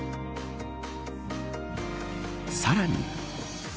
さらに。